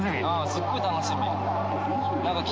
すっごい楽しみ。